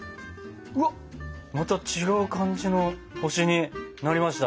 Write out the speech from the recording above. うわっまた違う感じの星になりました！